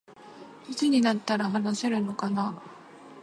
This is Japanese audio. いつになったら話せるのかな